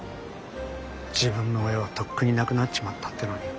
自分の親はとっくにいなくなっちまったっていうのに。